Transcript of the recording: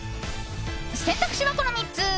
選択肢はこの３つ。